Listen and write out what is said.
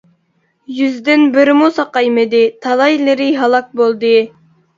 يۈزدىن بىرىمۇ ساقايمىدى، تالايلىرى ھالاك بولدى.